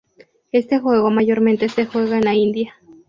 Este juego mayormente se juega en la India.